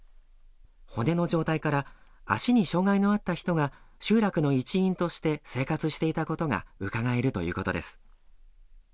骨の状態から足に障害のあった人が集落の一員として生活していたことがうかがえるということです。